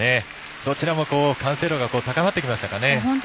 どちらも完成度が高まってきましたかね。